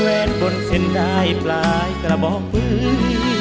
บนเส้นได้ปลายกระบอกพื้น